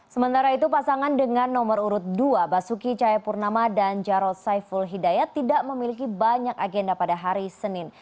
sementara itu pasangan dengan nomor urut dua basuki cahayapurnama dan jarod saiful hidayat tidak memiliki banyak agenda pada hari senin